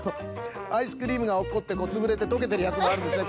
アイスクリームがおっこってつぶれてとけてるやつもあるんですね。